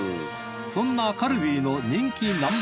そんなカルビーの人気ＮＯ．